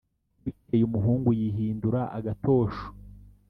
bukeye umuhungu yihindura agatosho,